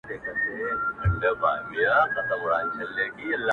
كه په رنگ باندي زه هر څومره تورېږم”